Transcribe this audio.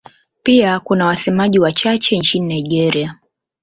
Pia kuna wasemaji wachache nchini Nigeria.